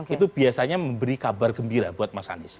itu biasanya memberi kabar gembira buat mas anies